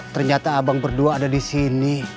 ternyata abang berdua ada disini